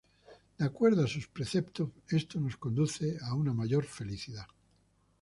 De acuerdo a sus preceptos, esto nos conduce a una mayor felicidad.